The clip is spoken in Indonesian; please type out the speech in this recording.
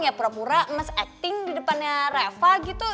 ya pura pura mas acting di depannya reva gitu